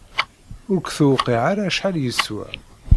Ur k-tewqiɛ ara acḥal yeswa!